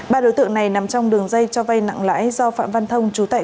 ba đối tượng này nằm trong đường dây cho vay nặng lãi do phạm văn thông trú tại